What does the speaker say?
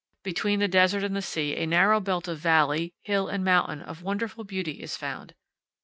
Between the desert and the sea a narrow belt of valley, hill, and mountain of wonderful beauty is found.